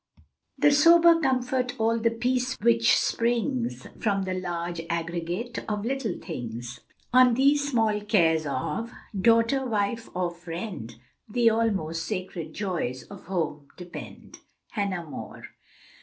"The sober comfort, all the peace which springs From the large aggregate of little things, On these small cares of daughter wife or friend, The almost sacred joys of home depend." Hannah More.